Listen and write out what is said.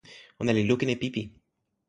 ona li lukin e pipi.